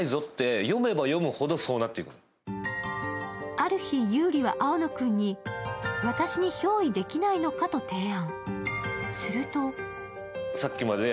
ある日、優里は青野君に私にひょう依できないのか？と提案。